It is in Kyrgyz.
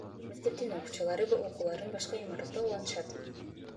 Мектептин окуучулары окууларын башка имаратта улантышат.